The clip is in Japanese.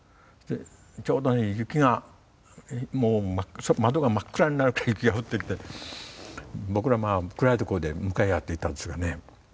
ちょうどね雪がもう窓が真っ暗になるくらい雪が降ってきて僕ら暗い所で向かい合っていたんですがね。